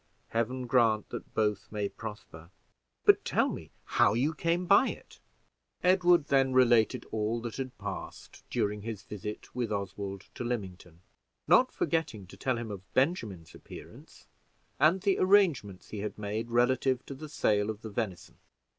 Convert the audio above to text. Heaven grant that both may prosper! But tell me how you came by it." Edward then related all that had passed during his visit with Oswald to Lymington, not forgetting to tell him of Benjamin's appearance, and the arrangements he had made relative to the sale of the venison.